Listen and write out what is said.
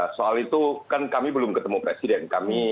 soal itu kan kami belum ketemu presiden